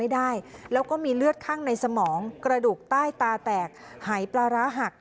ได้แล้วก็มีเลือดข้างในสมองกระดูกใต้ตาแตกหายปลาร้าหัก